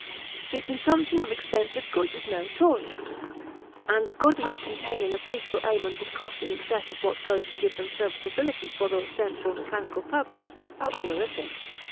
The consumption of expensive goods is meritorious, and the goods which contain an appreciable element of cost in excess of what goes to give them serviceability for their ostensible mechanical purpose are honorific.